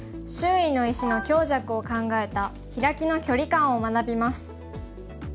周囲の石の強弱を考えたヒラキの距離感を学びます。